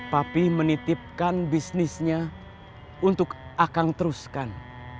papi menitipkan bisnisnya untuk akang teruskan